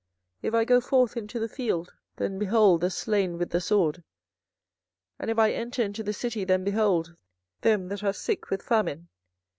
24:014:018 If I go forth into the field, then behold the slain with the sword! and if I enter into the city, then behold them that are sick with famine!